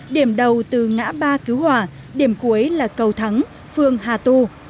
điểm đầu từ ngã ba cứu hỏa điểm cuối là cầu thắng phương hà tu